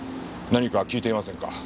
何か聞いていませんか？